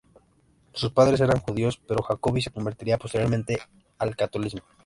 Sus padres eran judíos pero Jacobi se convertiría posteriormente al catolicismo.